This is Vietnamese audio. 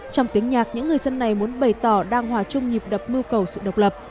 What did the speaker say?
trong tiếng nhạc những người dân này muốn bày tỏ đang hòa chung nhịp đập mưu cầu sự độc lập